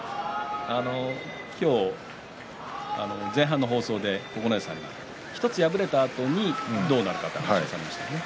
今日、前半の放送で九重さんが、１つ敗れたあとにどうなるかという話をされましたね。